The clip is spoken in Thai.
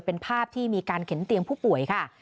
เป็นภาพที่มีการเข็นเตียงผู้ป่วยค่ะ